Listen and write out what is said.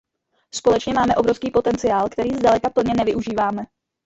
Společně máme obrovský potenciál, který zdaleka plně nevyužíváme.